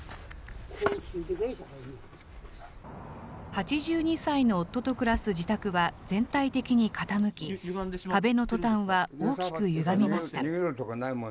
８２歳の夫と暮らす自宅は全体的に傾き、壁のトタンは大きくゆがみました。